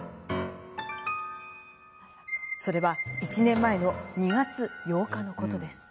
それは１年前の２月８日のこと。